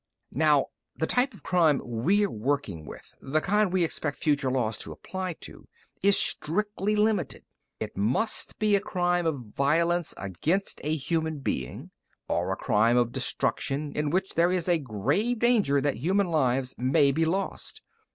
"Now, the type of crime we're working with the kind we expect future laws to apply to is strictly limited. It must be a crime of violence against a human being, or a crime of destruction in which there is a grave danger that human lives may be lost.